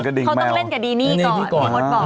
เขาต้องเล่นกับดีนี่ก่อนพี่มดบอก